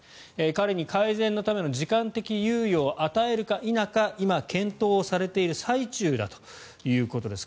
彼に改善のための時間的猶予を与えるか否か今、検討されている最中だということです。